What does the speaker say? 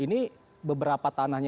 ini beberapa tanahnya